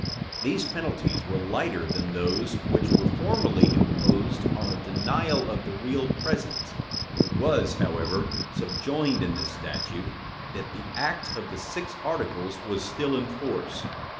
These penalties were lighter than those which were formerly imposed on a denial of the real presence: it was, however, subjoined in this statute, that the act of the six articles was still in force.